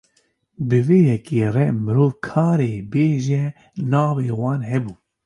Bi vê yekê re mirov karê bêje navê wan hebû.